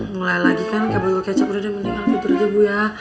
mulai lagi kan kayak botol kecap udah deh mendingan puter aja bu ya